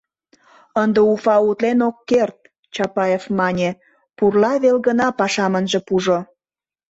— Ынде Уфа утлен ок керт, — Чапаев мане, — пурла вел гына пашам ынже пужо!